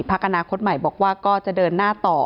อนาคตใหม่บอกว่าก็จะเดินหน้าต่อ